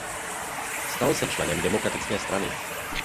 Stal se členem Demokratické strany.